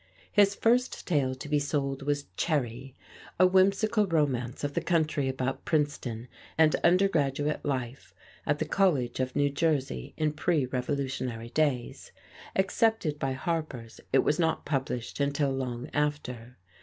His first tale to be sold was "Cherry," a whimsical romance of the country about Princeton and undergraduate life at the College of New Jersey in pre Revolutionary days. Accepted by Harper's, it was not published until long after.